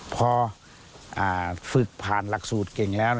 พอฝึกผ่านหลักสูตรเก่งแล้ว